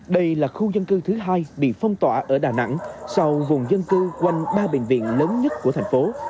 đây là khu dân cư thứ hai bị phong tỏa ở đà nẵng sau vùng dân cư quanh ba bệnh viện lớn nhất của thành phố